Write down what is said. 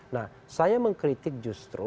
nah saya mengkritik justru